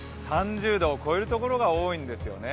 ３０度を超えるところが多いんですよね。